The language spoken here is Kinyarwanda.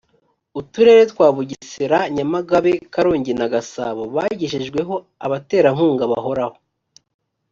uturere twa bugesera nyamagabe karongi na gasabo bagejejweho abaterankunga bahoraho